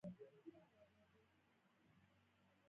د پله له پاسه به یوې ټکسي ته ور پورته شو.